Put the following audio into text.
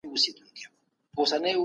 دوه دوهم عدد دئ.